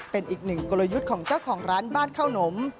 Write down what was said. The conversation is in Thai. เป็นอีกหนึ่งกลยุทธ์ของเจ้าของร้านบ้านข้าวหนม